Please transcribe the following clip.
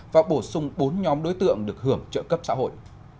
và bổ sung bốn nhóm đối tượng được hưởng trợ cấp xã hội